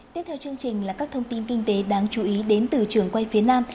tiếp theo chương trình là các thông tin kinh tế đáng chú ý đến từ trường quay phía nam